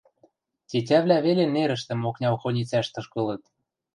Тетявлӓ веле нерӹштӹм окня охоницӓш тышкылыт.